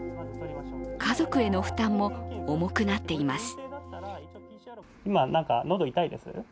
家族への負担も重くなっています。